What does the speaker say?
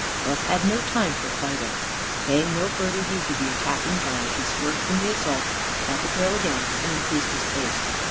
Buff had no time for fighting. Paying no further heed to the attacking giant, he swerved from the assault, caught the trail again, and increased his pace.